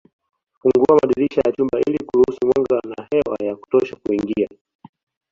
Fungua madirisha ya chumba ili kuruhusu mwanga na hewa ya kutosha kuingia